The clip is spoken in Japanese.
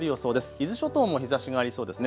伊豆諸島も日ざしがありそうです。